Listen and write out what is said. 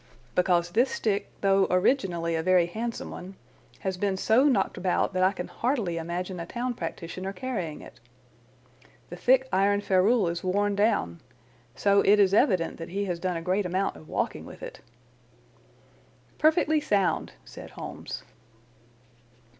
"Because this stick, though originally a very handsome one has been so knocked about that I can hardly imagine a town practitioner carrying it. The thick iron ferrule is worn down, so it is evident that he has done a great amount of walking with it." "Perfectly sound!" said Holmes.